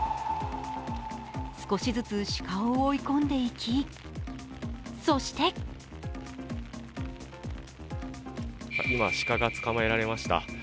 少しずつしかを追い込んでいき、そして今、鹿が捕まえられました。